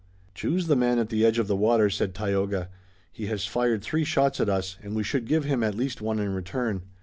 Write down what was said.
"Choose the man at the edge of the water," said Tayoga. "He has fired three shots at us, and we should give him at least one in return."